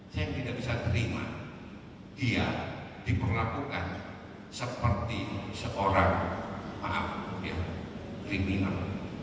saya tidak bisa terima dia diperlakukan seperti seorang maaf kriminal